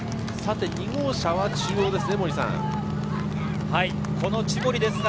２号車は中央ですね。